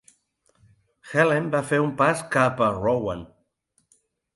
Helen va fer un pas cap a Rowan.